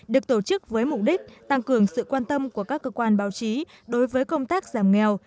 được tổ chức với mục đích tăng cường sự quan tâm của các cơ quan báo chí đối với công tác giảm nghèo